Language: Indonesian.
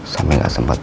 sampai nggak sempet